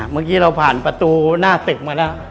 เมื่อกี้เราผ่านประตูหน้าตึกมาแล้ว